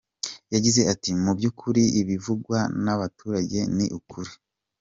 Yagize ati " Mu byukuri, ibivugwa n’abaturage ni ukuri.